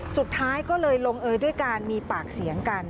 สุดท้ายก็เลยลงเออด้วยการมีปากเสียงกัน